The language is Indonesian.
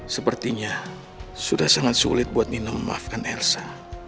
sepertinya sudah sangat sulit buat nina memaafkan ersa